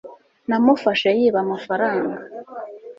namufashe yiba amafaranga